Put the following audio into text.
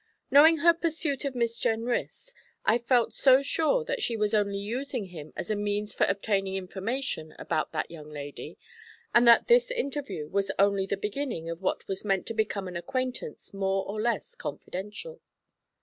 Knowing her pursuit of Miss Jenrys, I felt so sure that she was only using him as a means for obtaining information about that young lady, and that this interview was only the beginning of what was meant to become an acquaintance more or less confidential.